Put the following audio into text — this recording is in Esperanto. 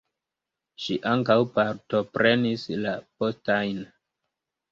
Ŝi ankaŭ partoprenis la postajn.